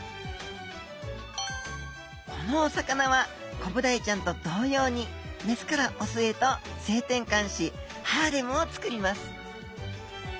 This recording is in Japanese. このお魚はコブダイちゃんと同様にメスからオスへと性転換しハーレムをつくります。